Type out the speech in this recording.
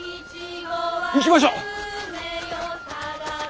行きましょう。